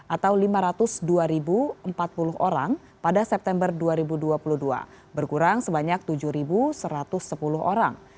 atau lima ratus dua empat puluh orang pada september dua ribu dua puluh dua berkurang sebanyak tujuh satu ratus sepuluh orang